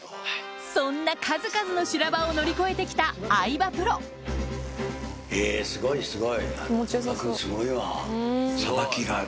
そんな数々の修羅場を乗り越えてきた相葉プロホントですか。